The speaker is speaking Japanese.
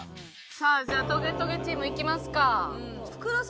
さあじゃあトゲトゲチームいきますか。